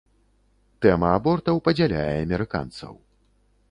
Тэма абортаў падзяляе амерыканцаў.